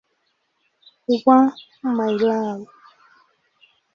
wa "My Love".